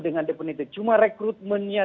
dengan deponitif cuma rekrutmennya